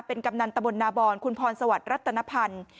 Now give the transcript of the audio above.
เป็นกำนันตะบลนาบอนคุณพรสวัสดิรัตนพันธ์